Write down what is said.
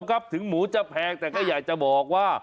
ครับถึงหมูจะแพงแต่ก็อยากจะบอกว่า